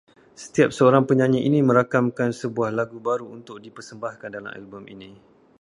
Setiap seorang penyanyi ini merakamkan sebuah lagu baru untuk di persembahkan dalam album ini